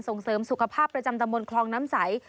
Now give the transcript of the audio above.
ส่งเสริมสุขภาพประจำตำบลคลองน้ำใส